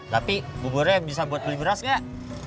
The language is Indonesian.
tapi buburnya bisa buat beli beras gak